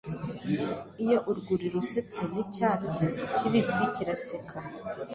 iyo urwuri rusetse nicyatsi kibisikiraseka